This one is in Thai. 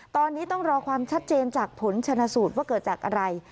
ตอนนี้ต้องรอความชัดเจนจากผลชนะสูตรว่าเกิดจากอะไร